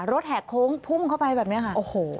รถแหกโค้งพุ่มเข้าไปแบบนี้ค่ะ